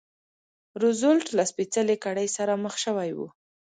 روزولټ له سپېڅلې کړۍ سره مخ شوی و.